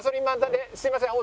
すいません